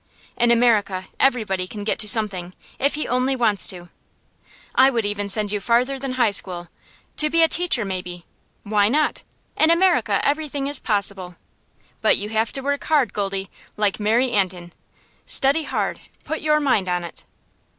In America everybody can get to something, if he only wants to. I would even send you farther than high school to be a teacher, maybe. Why not? In America everything is possible. But you have to work hard, Goldie, like Mary Antin study hard, put your mind on it."